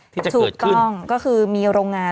ที่จะเกิดขึ้นถูกต้องก็คือมีโรงงาน